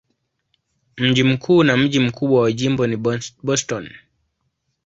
Mji mkuu na mji mkubwa wa jimbo ni Boston.